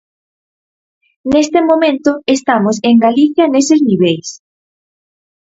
Neste momento estamos en Galicia neses niveis.